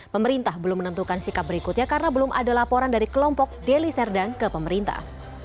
pemerintah belum menentukan sikap berikutnya karena belum ada laporan dari kelompok deli serdang ke pemerintah